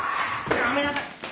やめなさい。